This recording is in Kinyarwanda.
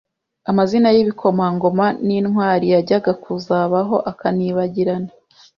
amazina y'ibikomangoma n'intwari yajyaga kuzabaho akanibagirana;